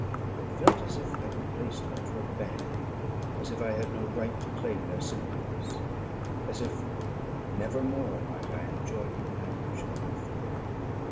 I felt as if I were placed under a ban as if I had no right to claim their sympathies as if never more might I enjoy companionship with them.